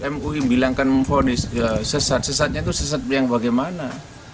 mui bilangkan memfonis sesat sesatnya itu sesat yang bagaimana